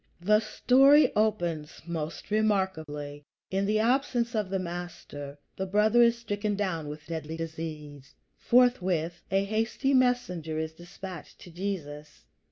The story opens most remarkably. In the absence of the Master, the brother is stricken down with deadly disease. Forthwith a hasty messenger is dispatched to Jesus.